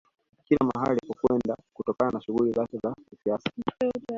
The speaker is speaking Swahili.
Kila mahali alikokwenda kutokana na shughuli zake za kisiasa